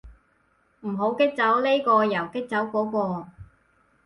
唔好激走呢個又激走嗰個